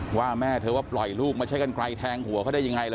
ว่าแม่เธอว่าปล่อยลูกมาใช้กันไกลแทงหัวเขาได้ยังไงล่ะ